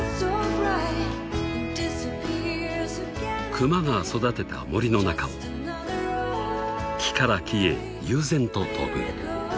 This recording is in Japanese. ［クマが育てた森の中を木から木へ悠然と飛ぶ］